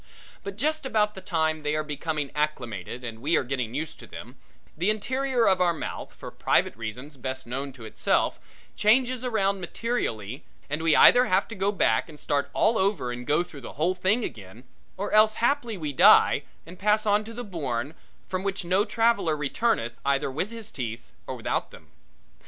But just about the time they are becoming acclimated and we are getting used to them, the interior of our mouth for private reasons best known to itself changes around materially and we either have to go back and start all over and go through the whole thing again, or else haply we die and pass on to the bourne from which no traveller returneth either with his teeth or without them.